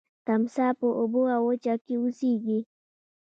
تمساح په اوبو او وچه کې اوسیږي